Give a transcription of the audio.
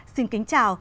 xin kính chào